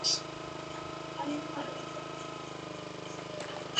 En las islas británicas únicamente se encuentra en el sur de Inglaterra.